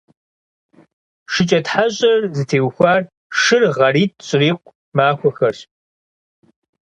ШыкӀэтхьэщӀыр зытехуэр шыр гъэритӀ щрикъу махуэхэрщ.